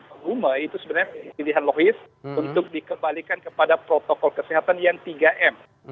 album itu sebenarnya pilihan logis untuk dikembalikan kepada protokol kesehatan yang tiga m